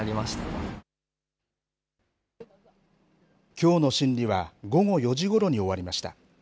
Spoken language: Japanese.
きょうの審理は、午後４時ごろに終わりました。